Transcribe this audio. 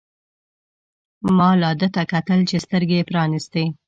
ما لا ده ته کتل چې سترګې يې پرانیستې.